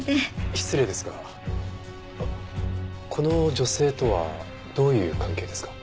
失礼ですがこの女性とはどういう関係ですか？